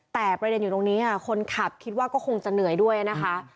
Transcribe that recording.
แต่ประเด็นอยู่ตรงนี้คนขับคิดว่าก็คงจะเหนื่อยด้วยนะคะ